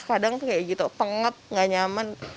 kadang tuh kayak gitu pengep gak nyaman